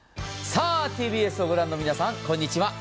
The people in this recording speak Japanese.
さあ、ＴＢＳをご覧の皆さんこんにちは。